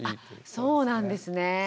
あそうなんですね。